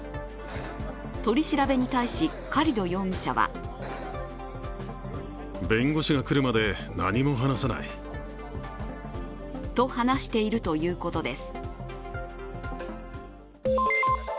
取り調べに対し、カリド容疑者はと話しているということです。